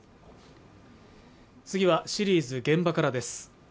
次はシリーズ「現場から」です。